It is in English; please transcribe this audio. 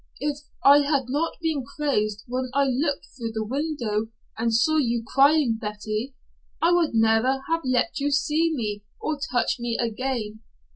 "If I had not been crazed when I looked through the window and saw you crying, Betty, I would never have let you see me or touch me again.